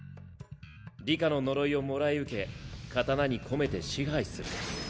里香の呪いをもらい受け刀に込めて支配する。